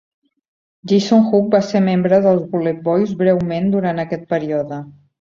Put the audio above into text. Jason Hook va ser membre dels BulletBoys breument durant aquest període.